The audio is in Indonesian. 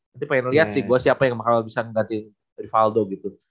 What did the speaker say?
nanti pengen lihat sih gue siapa yang bakal bisa mengganti rivaldo gitu